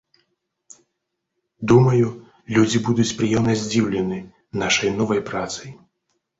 Думаю, людзі будуць прыемна здзіўлены нашай новай працай.